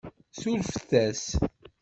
Surfet-as.